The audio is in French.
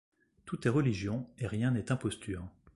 Tout est religion et rien n’est imposture.